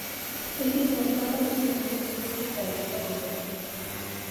এটি কলকাতার একটি গুরুত্বপূর্ণ পর্যটন আকর্ষণ।